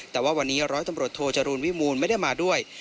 แต่ว่าวันนี้ร้อยตำรวจโทจรูลวิมูลไม่ได้มาด้วย